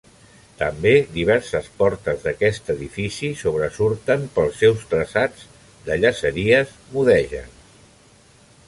També diverses portes d'aquest edifici sobresurten pels seus traçats de llaceries mudèjars.